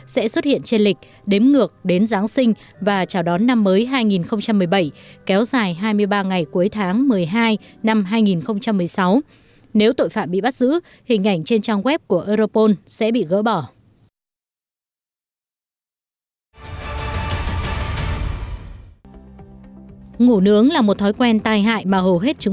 sẽ xuất hiện trên lịch đếm ngược đến giáng sinh và chào đón năm mới hai nghìn một mươi bảy